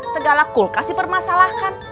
segala kulkas dipermasalahkan